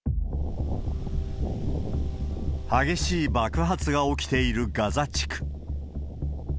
激しい爆発が起きているガザ地区。